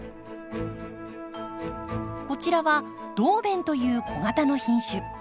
こちらはドウベンという小型の品種。